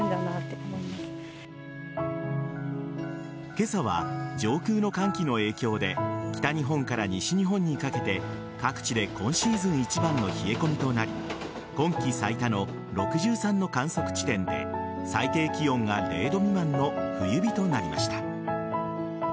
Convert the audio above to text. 今朝は、上空の寒気の影響で北日本から西日本にかけて各地で今シーズン一番の冷え込みとなり今季最多の６３の観測地点で最低気温が０度未満の冬日となりました。